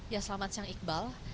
ya selamat siang iqbal